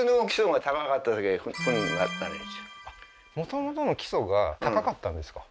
おっきなもともとの基礎が高かったんですか？